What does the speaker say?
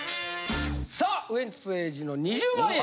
さあウエンツ瑛士の２０万円！